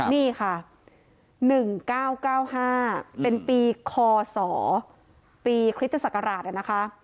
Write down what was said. นี่ค่ะ๑๙๙๕เป็นปีคศปีคริสตศักราชนะคะ